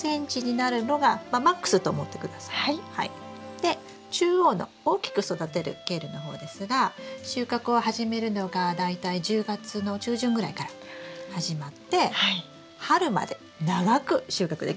で中央の大きく育てるケールの方ですが収穫を始めるのが大体１０月の中旬ぐらいから始まって春まで長く収穫できます。